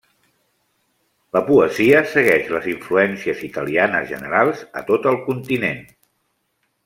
La poesia segueix les influències italianes generals a tot el continent.